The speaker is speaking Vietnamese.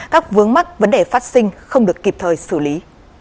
các vướng mắc vấn đề phát sinh không được kịp thời xử lý